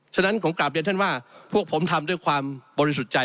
ฉะนั้นผมกลับเรียนท่านว่าพวกผมทำด้วยความบริสุทธิ์ใจ